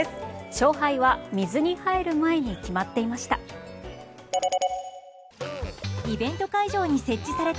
勝敗は水に入る前に決まっていました。